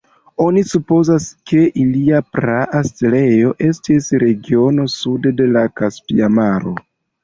Oni supozas ke ilia praa setlejo estis regiono sude de la Kaspia Maro.